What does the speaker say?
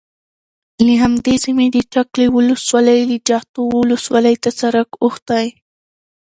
له همدې سیمې د چک له ولسوالۍ د جغتو ولسوالۍ ته سرک اوښتی،